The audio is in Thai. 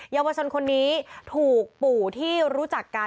เยาวชนคนนี้ถูกปู่ที่รู้จักกัน